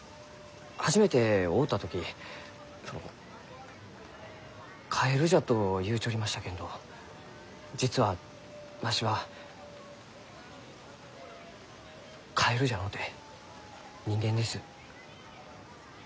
初めて会うた時その「カエルじゃ」と言うちょりましたけんど実はわしはカエルじゃのうて人間です。